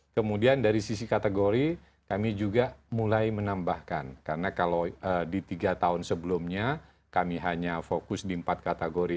kemudian dari sisi kategori kami juga mulai menambahkan karena kalau di tiga tahun sebelumnya kami hanya fokus di empat kategori